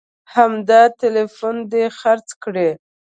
همدا ټلیفون دې خرڅ کړي